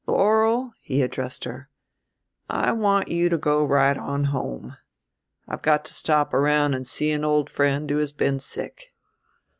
Laurel," he addressed her, "I want you to go right on home. I've got to stop around and see an old friend who has been sick."